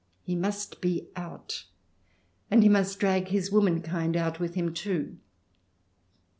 He must be out, and he must drag his womankind out with him too.